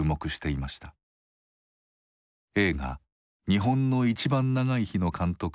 映画「日本のいちばん長い日」の監督